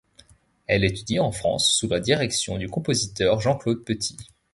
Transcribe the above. Elle étudie en France sous la direction du compositeur Jean-Claude Petit.